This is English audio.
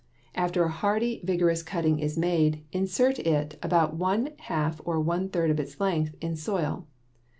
After a hardy, vigorous cutting is made, insert it about one half or one third of its length in soil.